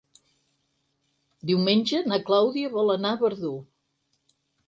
Diumenge na Clàudia vol anar a Verdú.